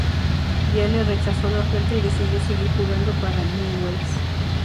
Viale rechazó la oferta y decidió seguir jugando para Newell's.